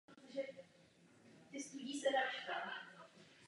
Hlavním městem je Groningen.